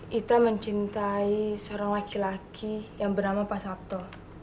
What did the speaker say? kita mencintai seorang laki laki yang bernama pak sabto